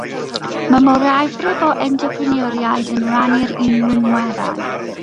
Mae'r mwyafrif o entrepreneuriaid yn rhannu'r un rhinweddau.